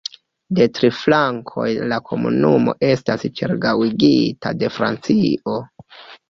De tri flankoj la komunumo estas ĉirkaŭigita de Francio.